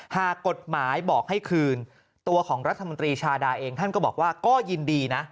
หากกฎหมายบอกให้คืนตัวของรัฐมนตรีชาดาเองท่านก็บอกว่าก็ยินดีนะ